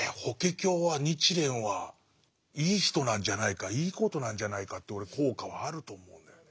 「法華経」は日蓮はいい人なんじゃないかいいことなんじゃないかって俺効果はあると思うんだよね。